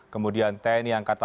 kemudian tni angkatan